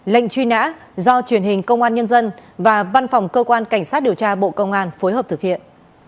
lệnh truy nã do truyền hình công an nhân dân và văn phòng cơ quan cảnh sát điều tra bộ công an phối hợp thực hiện